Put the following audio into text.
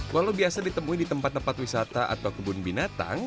walau biasa ditemui di tempat tempat wisata atau kebun binatang